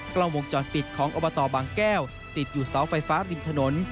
กล้องวงจรปิดของอบตบางแก้วติดอยู่เสาไฟฟ้าริมถนน